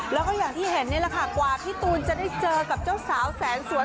แล้วก็อย่างที่เห็นนี่แหละค่ะกว่าพี่ตูนจะได้เจอกับเจ้าสาวแสนสวน